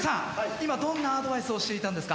今どんなアドバイスをしていたんですか？